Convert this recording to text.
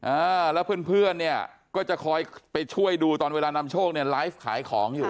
อ่าแล้วเพื่อนเพื่อนเนี่ยก็จะคอยไปช่วยดูตอนเวลานำโชคเนี่ยไลฟ์ขายของอยู่